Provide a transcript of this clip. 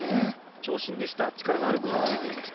長身でした。